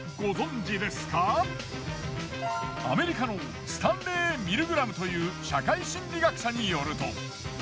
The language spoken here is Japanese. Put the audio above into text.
アメリカのスタンレー・ミルグラムという社会心理学者によると。